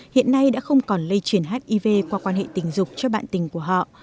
hiện nay đã không còn lây chuyển hiv qua quan hệ tình dục cho bạn tình của họ